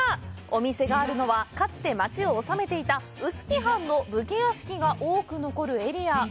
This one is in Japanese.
お店があるのは、かつて町を治めていた臼杵藩の武家屋敷が多く残るエリア。